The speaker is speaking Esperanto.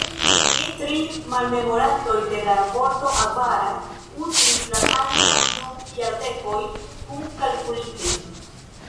Ni tri malmemorantoj de la vorto "avara" uzis la anglan dum jardekoj, kunkalkulite.